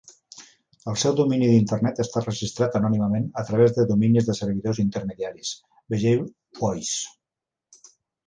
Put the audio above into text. El seu domini d'Internet està registrat anònimament a través de dominis de servidors intermediaris, vegeu WHOIS.